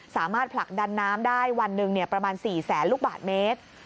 สามารถผลักดันน้ำได้วันหนึ่งประมาณ๔แสนลูกบาทเมตร